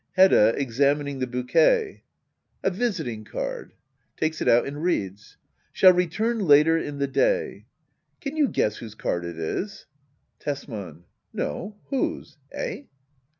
Hedda. [Examining the bouquet,] A visiting card. [Takes it out and reads :]^^ Shall return later in the day." Can you guess whose card it is ? Tesman. No. Whose? Eh?